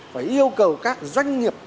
phải yêu cầu các doanh nghiệp